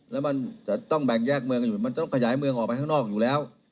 แล้วมันจะต้องแบ่งแยกเมืองกันอยู่มันต้องขยายเมืองออกไปข้างนอกอยู่แล้ว